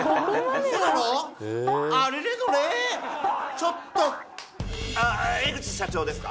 ちょっと江口社長ですか？